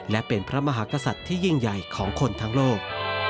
และเป็นพระมหากษัตริย์ที่ยิ่งใหญ่ของคนทั้งโลก